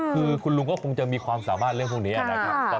คือคุณลุงก็คงจะมีความสามารถเรื่องพวกนี้นะครับ